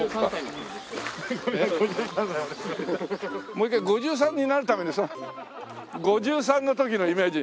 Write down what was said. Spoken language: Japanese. もう一回５３になるために５３の時のイメージ。